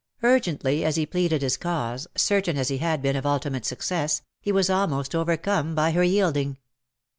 Urgently as he had pleaded his cause, certain as he had been of ultimate success, he was almost over come by her yielding.